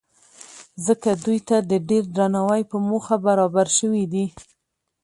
ځکه دوی ته د ډېر درناوۍ په موخه برابر شوي دي.